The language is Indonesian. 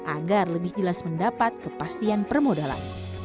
agar lebih jelas mendapat kepastian permodalan